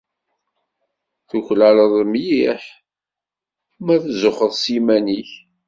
Tuklaleḍ mliḥ ma tzuxxeḍ s yiman-ik.